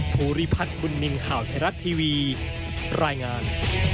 ภูริพัฒน์บุญนินทร์ข่าวไทยรัฐทีวีรายงาน